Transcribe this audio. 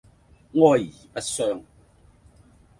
哀而不傷